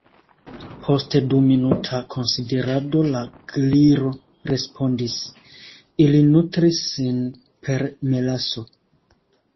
Post du minuta konsiderado la Gliro respondis: "Ili nutris sin per melaso."